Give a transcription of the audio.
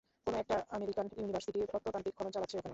কোন একটা American university প্রত্নতাত্ত্বিক খনন চালাচ্ছে ওখানে।